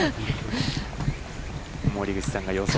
森口さんが予想。